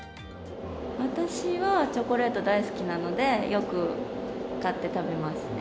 私はチョコレート大好きなので、よく買って食べますね。